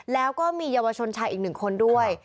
แล้วก็มีเยาวชนชายอีกหนึ่งคนด้วย